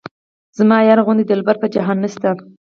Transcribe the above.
زما یار غوندې دلبر په جهان نشته.